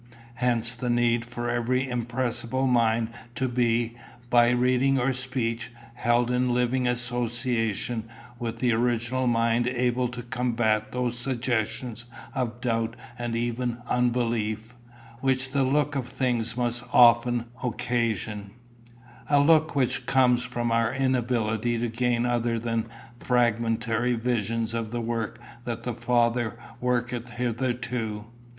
Hence the need for every impressible mind to be, by reading or speech, held in living association with an original mind able to combat those suggestions of doubt and even unbelief, which the look of things must often occasion a look which comes from our inability to gain other than fragmentary visions of the work that the Father worketh hitherto.